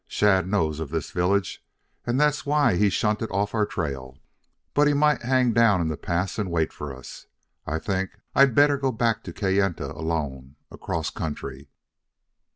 Shadd knows of this village and that's why he shunted off our trail. But he might hang down in the pass and wait for us. I think I'd better go back to Kayenta alone, across country.